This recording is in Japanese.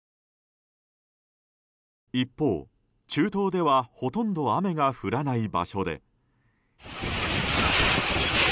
一方、中東ではほとんど雨が降らない場所で。